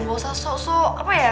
gak usah sok sok apa ya